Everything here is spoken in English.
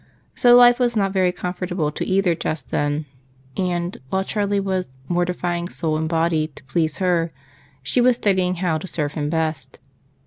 So life was not very comfortable to either just then; and while Charlie was "mortifying soul and body" to please her, she was studying how to serve him best.